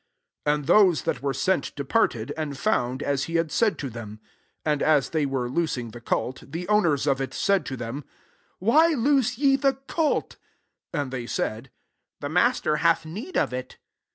" 32 And those that were sent departed, and found as he had said to them. 33 And as they were loosing the colt, the own ers of it said to them, •• Why loose ye the colt ?" 34 And they said, " The Master hath need of it."